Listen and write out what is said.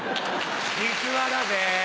実話だぜ。